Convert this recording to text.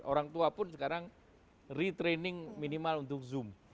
orang tua pun sekarang retraining minimal untuk zoom